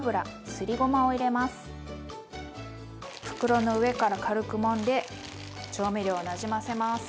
袋の上から軽くもんで調味料をなじませます。